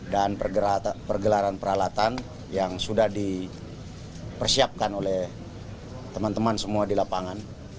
dan pergelaran peralatan yang sudah dipersiapkan oleh teman teman semua di lapangan